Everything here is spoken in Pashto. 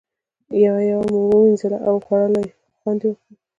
یوه یوه مو ووینځله او خوړلو یې خوند وکړ.